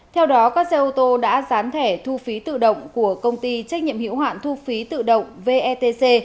theo đó các xe ô tô đã dán thẻ thu phí tự động của công ty trách nhiệm hiệu hạn thu phí tự động vetc